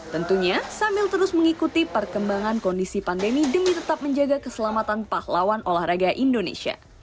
tentunya sambil terus mengikuti perkembangan kondisi pandemi demi tetap menjaga keselamatan pahlawan olahraga indonesia